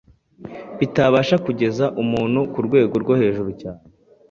bitabasha kugeza umuntu ku rwego rwo hejuru cyane.